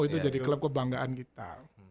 itu jadi klub kebanggaan kita